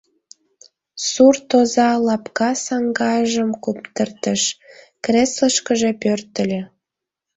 Сурт оза лапка саҥгажым куптыртыш, креслышкыже пӧртыльӧ.